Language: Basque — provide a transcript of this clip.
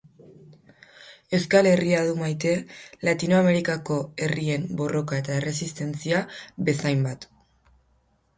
Euskal Herria du maite, Latinoamerikako herrien borroka eta erresistentzia bezainbat.